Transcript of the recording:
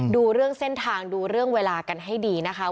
ดูเรื่องเส้นทางดูเรื่องเวลากันให้ดีนะคะ